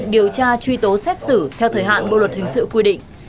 điều tra truy tố xét xử theo thời hạn bộ luật hình sự quy định